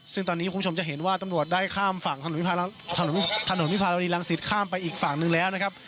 ซึ่งตอนนี้คุณผู้ชมจะเห็นว่าตำรวจได้ข้ามฝั่งถนนวิภาวดีรังสิตข้ามไปอีกฝั่งหนึ่งแล้วนะครับ